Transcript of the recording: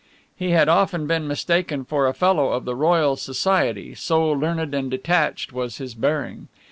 He had often been mistaken for a Fellow of the Royal Society, so learned and detached was his bearing.